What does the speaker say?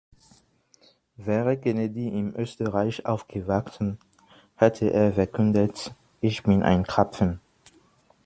Wäre Kennedy in Österreich aufgewachsen, hätte er verkündet: Ich bin ein Krapfen!